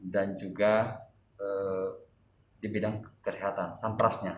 dan juga di bidang kesehatan samprasnya